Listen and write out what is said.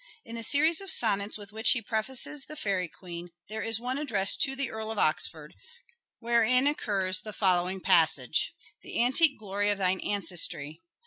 In the series of sonnets with which he prefaces the "Fairie Queen," there is one addressed to the Earl of Oxford, wherein occurs the following passage :—" The antique glory of thine ancestry.